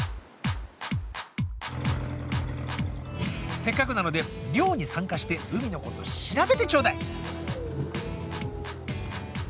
せっかくなので漁に参加して海のこと調べてちょうだい。